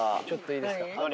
ちょっといいですか？